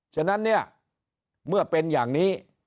ฉะนั้นเนี่ยเมื่อเป็นอย่างนี้